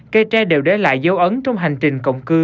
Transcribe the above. cây tre đều để lại dấu ấn trong hành trình cộng cư